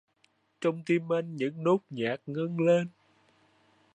Trong tim anh những nốt nhạc ngân lên